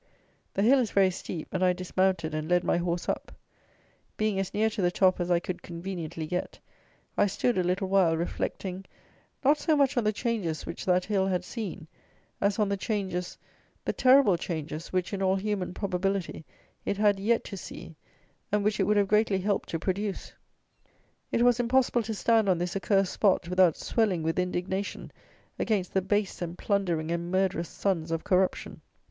The hill is very steep, and I dismounted and led my horse up. Being as near to the top as I could conveniently get, I stood a little while reflecting, not so much on the changes which that hill had seen, as on the changes, the terrible changes, which, in all human probability, it had yet to see, and which it would have greatly helped to produce. It was impossible to stand on this accursed spot, without swelling with indignation against the base and plundering and murderous sons of corruption.